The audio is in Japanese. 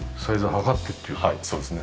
はいそうですね。